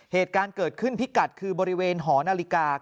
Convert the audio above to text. เหตุการณ์เกิดขึ้นพิกัดคือบริเวณหอนาฬิกา